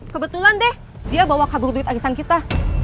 kebetulan deh dia bawa kabur duit arisan kita